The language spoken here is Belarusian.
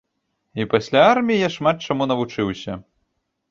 І пасля арміі я шмат чаму навучыўся.